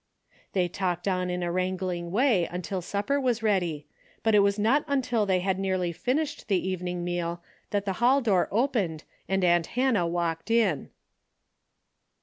They talked on in a wrangling way until supper was ready, but it was not until they had nearly finished the evening meal that the hall door opened and aunt Hannah walked in.